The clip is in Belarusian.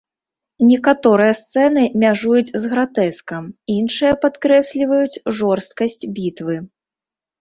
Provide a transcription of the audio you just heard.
Некаторыя сцэны мяжуюць з гратэскам, іншыя падкрэсліваюць жорсткасць бітвы.